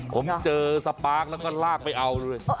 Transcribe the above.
ผมเจอสปาร์คแล้วก็ลากไปเอาเลย